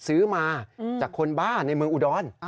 ซื้อมาจากคนบ้าในเมืองอุดร